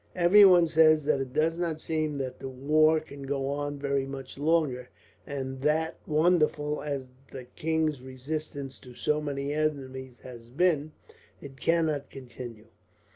Everyone says that it does not seem that the war can go on very much longer; and that, wonderful as the king's resistance to so many enemies has been, it cannot continue.